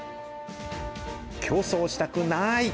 競争したくない！